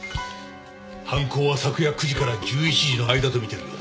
犯行は昨夜９時から１１時の間と見てるようだ。